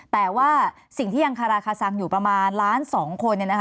แต่ว่าสิ่งที่ยังคาราคาซังอยู่ประมาณล้าน๒คน